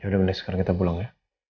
yaudah mendes sekarang kita pulang ya